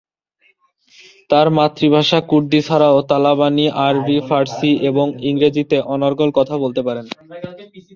তার মাতৃভাষা কুর্দি ছাড়াও, তালাবানি আরবি, ফার্সি এবং ইংরেজিতে অনর্গল কথা বলতে পারেন।